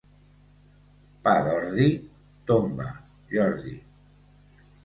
Pa d'ordi, tomba, Jordi.